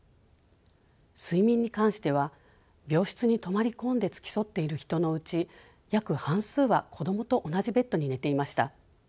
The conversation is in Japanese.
睡眠に関しては病室に泊まり込んで付き添っている人のうち約半数は子どもと同じベッドに寝ていました。